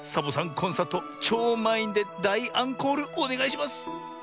コンサートちょうまんいんでだいアンコールおねがいします！